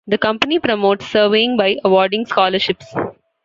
The Company promotes surveying by awarding scholarships.